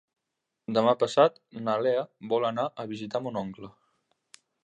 Demà passat na Lea vol anar a visitar mon oncle.